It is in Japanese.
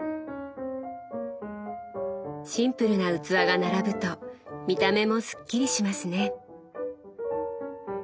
シンプルな器が並ぶと見た目もすっきりしますね。